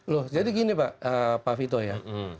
loh jadi gini pak vito ya